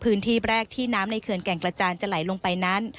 พื้นที่แรกที่น้ำในเขื่อนแก่งกระจานจะไหลลงไปนั้น